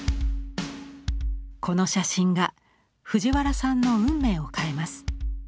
この写真が藤原さんの運命を変えます。